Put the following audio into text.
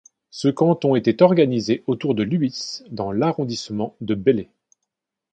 Ce canton était organisé autour de Lhuis dans l'arrondissement de Belley.